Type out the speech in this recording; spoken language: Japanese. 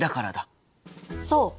そう。